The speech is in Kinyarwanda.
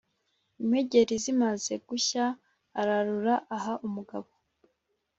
impengeri zimaze gushya ararura aha umugabo